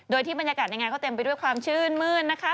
โดยที่บรรยากาศในงานก็เต็มไปด้วยความชื่นมื้นนะคะ